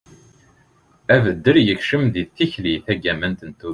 abeddel yekcem deg tikli tagamant n tudert